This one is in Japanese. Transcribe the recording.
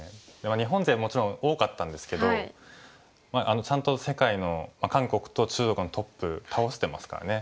日本勢もちろん多かったんですけどまあちゃんと世界の韓国と中国のトップ倒してますからね。